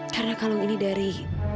karena kalung ini dari